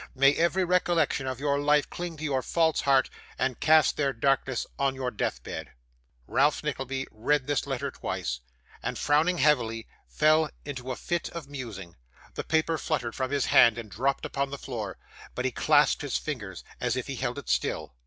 May every recollection of your life cling to your false heart, and cast their darkness on your death bed.' Ralph Nickleby read this letter twice, and frowning heavily, fell into a fit of musing; the paper fluttered from his hand and dropped upon the floor, but he clasped his fingers, as if he held it still.